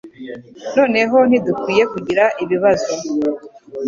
Noneho ntidukwiye kugira ibibazo.